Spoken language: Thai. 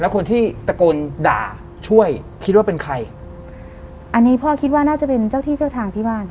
คนที่ตะโกนด่าช่วยคิดว่าเป็นใครอันนี้พ่อคิดว่าน่าจะเป็นเจ้าที่เจ้าทางที่บ้าน